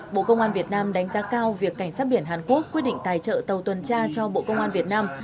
bộ công an việt nam đánh giá cao việc cảnh sát biển hàn quốc quyết định tài trợ tàu tuần tra cho bộ công an việt nam